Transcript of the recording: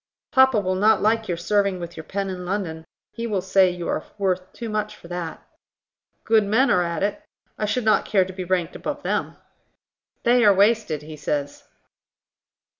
"Papa will not like your serving with your pen in London: he will say you are worth too much for that." "Good men are at it; I should not care to be ranked above them." "They are wasted, he says."